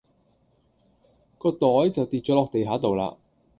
個袋就跌左落地下度啦